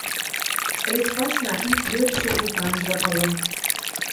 Тӹлец пасна, ик йӧрӹшӹ вулканжы ылын.